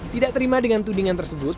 tidak terima dengan tudingan tersebut